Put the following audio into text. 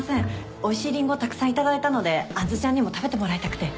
おいしいリンゴたくさん頂いたので杏ちゃんにも食べてもらいたくて。